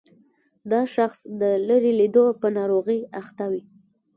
دا شخص د لیرې لیدلو په ناروغۍ اخته وي.